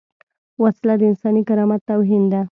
وسله د انساني کرامت توهین ده